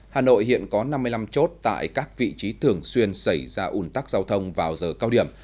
hà nội hiện có năm mươi năm chốt tại các vị trí thường xuyên xảy ra ủn tắc giao thông vào giờ cao điểm